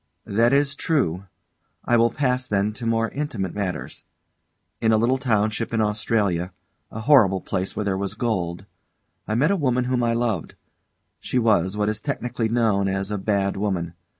_] That is true. I will pass, then, to more intimate matters. In a little township in Australia a horrible place where there was gold I met a woman whom I loved. She was what is technically known as a bad woman.